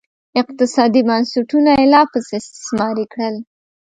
اقتصادي بنسټونه یې لاپسې استثماري کړل